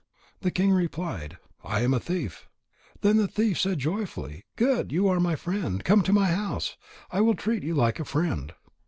The king replied: "I am a thief." Then the thief said joyfully: "Good! You are my friend. Come to my house. I will treat you like a friend."